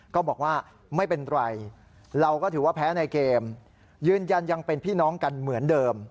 ก็บอกว่าไม่เป็นไรเราก็ถือว่าแพ้ในเกมยืนยันยังเป็นพี่น้องกันเหมือนเดิม